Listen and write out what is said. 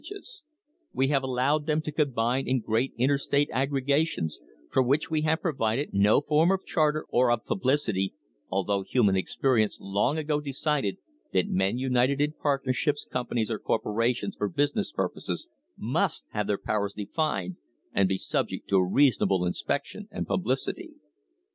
THE HISTORY OF THE STANDARD OIL COMPANY We have allowed them to combine in great interstate aggre gations, for which we have provided no form of charter or of publicity, although human experience long ago decided that men united in partnerships, companies, or corporations for business purposes must have their powers defined and be subject to a reasonable inspection and publicity.